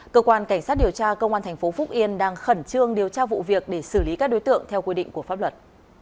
cơ quan cảnh sát điều tra công an tp phúc yên đang khẩn trương điều tra vụ việc để xử lý các đối tượng theo quy định của pháp luật